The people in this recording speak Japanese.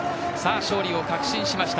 勝利を確信しました。